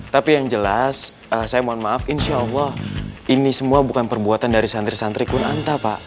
tapi yang jelas saya mohon maaf insya allah ini semua bukan perbuatan dari santri santri pun anta pak